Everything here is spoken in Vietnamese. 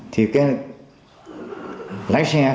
thì cái lái xe không